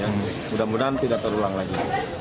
yang mudah mudahan tidak terulang lagi